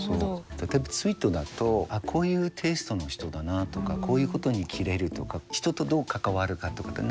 例えばツイートだとこういうテイストの人だなとかこういうことにキレるとか人とどう関わるかとかって何となく分かる。